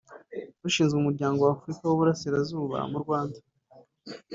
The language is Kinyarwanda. ushinzwe umuryango w’Afrika y’Uburasirazuba mu Rwanda